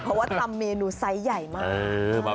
เพราะว่าทำเมนูไซส์ใหญ่มาก